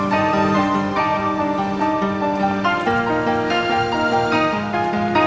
kenapa pak tatang jadi aneh gitu